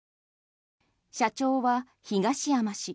社長は東山氏。